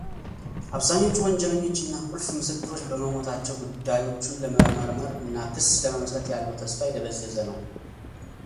አብዛኞቹ ወንጀለኞች እና ቁልፍ ምስክሮች በመሞታቸው ጉዳዮቹን ለመርመር እና ክስ ለመመስረት ያለው ተስፋ የደበዘዘ ነው።